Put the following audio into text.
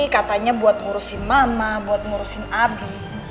katanya buat ngurusin mama buat ngurusin abi